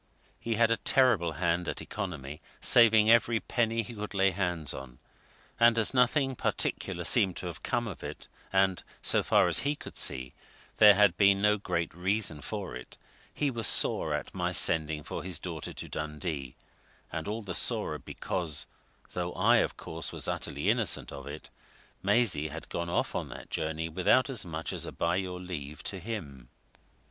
He was a terrible hand at economy, saving every penny he could lay hands on, and as nothing particular seemed to have come of it, and so far as he could see there had been no great reason for it, he was sore at my sending for his daughter to Dundee, and all the sorer because though I, of course, was utterly innocent of it Maisie had gone off on that journey without as much as a by your leave to him.